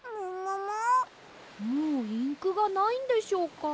もうインクがないんでしょうか？